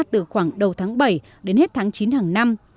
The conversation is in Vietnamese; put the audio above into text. từ khoảng đầu tháng bảy đến hết tháng chín hàng năm